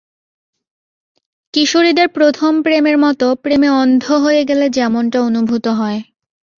কিশোরীদের প্রথম প্রেমের মত, প্রেমে অন্ধ হয়ে গেলে যেমনটা অনুভূত হয়।